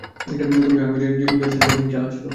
কোন জাহান্নামে যেতে চাচ্ছো খেয়াল আছে তো?